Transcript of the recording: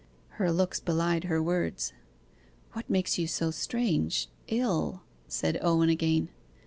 Her looks belied her words. 'What makes you so strange ill?' said Owen again.